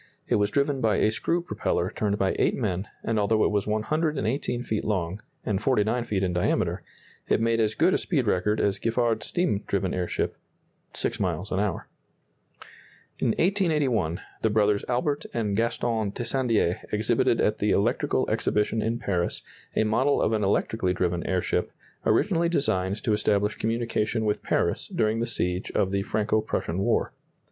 It was driven by a screw propeller turned by eight men, and although it was 118 feet long, and 49 feet in diameter, it made as good a speed record as Giffard's steam driven airship six miles an hour. [Illustration: Car of the Tissandier dirigible; driven by electricity.] In 1881, the brothers Albert and Gaston Tissandier exhibited at the Electrical Exhibition in Paris a model of an electrically driven airship, originally designed to establish communication with Paris during the siege of the Franco Prussian War.